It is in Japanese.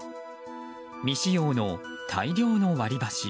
未使用の大量の割り箸。